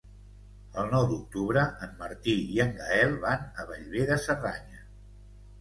El nou d'octubre en Martí i en Gaël van a Bellver de Cerdanya.